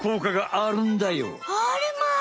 あれまあ！